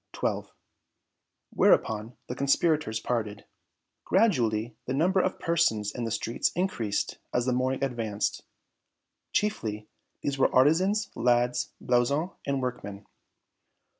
"Twelve." Whereupon the conspirators parted. Gradually the number of persons in the streets increased as the morning advanced. Chiefly, these were artisans, lads, blouses and workmen.